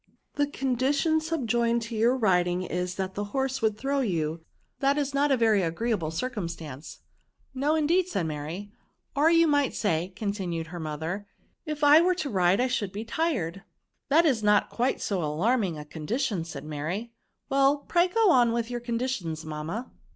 The condition subjoined to your riding is, that the horse would throw you ; that is not a very agreeable circumstance." '* No, indeed," said Mary. " Or you might say," continued her mother, If I were to ride, I should be tired." ^^That is not quite so alarming a con dition," said Mary ;well, pray go on with your conditions, mamma."